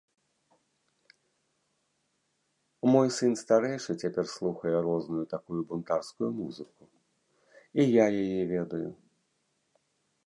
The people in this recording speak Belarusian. Мой сын старэйшы цяпер слухае розную такую бунтарскую музыку, і я яе ведаю.